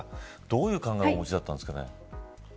どういう考えをお持ちだったんですかね。